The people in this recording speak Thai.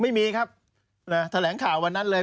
ไม่มีครับแถลงข่าววันนั้นเลย